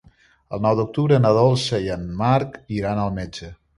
El nou d'octubre na Dolça i en Marc iran al metge.